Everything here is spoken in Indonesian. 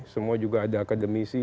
semua juga ada akademisi